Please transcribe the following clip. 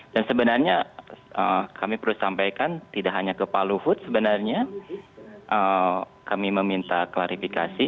dan sebenarnya kami perlu sampaikan tidak hanya ke pak luhut sebenarnya kami meminta klarifikasi